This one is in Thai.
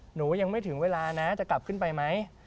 หนูยังไม่ถึงเวลานะจะกลับขึ้นไปไหม